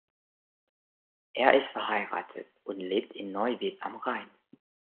Er ist verheiratet und lebt in Neuwied am Rhein.